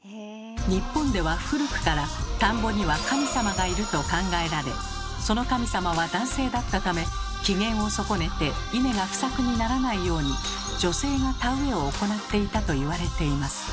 日本では古くから「田んぼには神様がいる」と考えられその神様は男性だったため機嫌を損ねて稲が不作にならないように女性が田植えを行っていたと言われています。